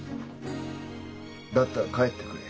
だったら帰ってくれ。